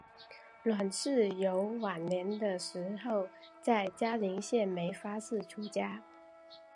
阮氏游晚年的时候在嘉林县梅发寺出家。